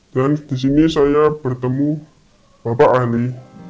dan di sini saya bertemu bapak ali